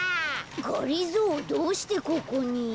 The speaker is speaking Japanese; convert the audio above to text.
がりぞーどうしてここに？